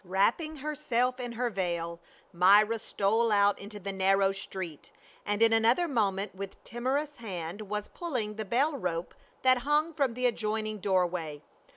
WRAPPING herself in her veil, Myra stole out into the narrow street, and in another mo ment with timorous hand was pulling the bell rope that hung from the adjoining doorway.